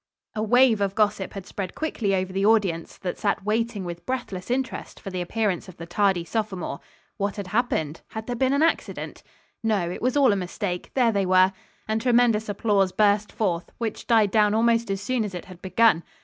A wave of gossip had spread quickly over the audience, that sat waiting with breathless interest for the appearance of the tardy sophomore. What had happened? Had there been an accident? No; it was all a mistake. There they were. And tremendous applause burst forth, which died down almost as soon as it had begun.